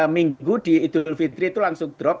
minggu di idul fitri itu langsung drop